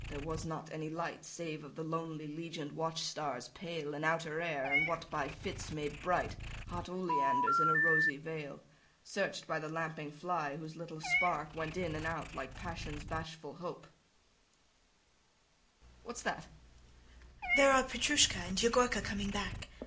There was not any light, Save of the lonely legion'd watch stars pale In outer air, and what by fits made bright Hot oleanders in a rosy vale Searched by the lamping fly, whose little spark Went in and out, like passion's bashful hope." [The noise of opening doors is heard] What's that? IVANITCH. There are Petrushka and Yegorka coming back.